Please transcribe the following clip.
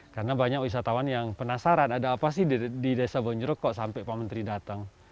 karena banyak wisatawan yang penasaran ada apa sih di desa bonjeruk kok sampai pak menteri datang